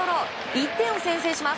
１点を先制します。